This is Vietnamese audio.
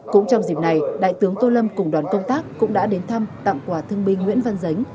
cũng trong dịp này đại tướng tô lâm cùng đoàn công tác cũng đã đến thăm tặng quà thương binh nguyễn văn dính